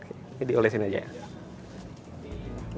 ini diolesin aja ya